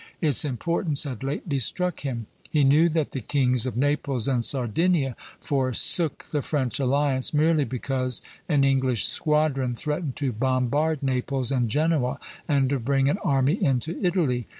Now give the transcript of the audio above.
Its importance had lately struck him. He knew that the kings of Naples and Sardinia forsook the French alliance merely because an English squadron threatened to bombard Naples and Genoa and to bring an army into Italy.